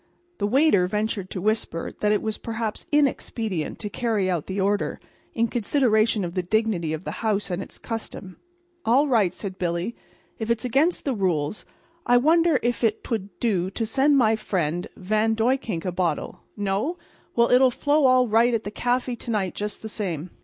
The waiter ventured to whisper that it was perhaps inexpedient to carry out the order, in consideration of the dignity of the house and its custom. "All right," said Billy, "if it's against the rules. I wonder if 'twould do to send my friend Van Duyckink a bottle? No? Well, it'll flow all right at the caffy to night, just the same.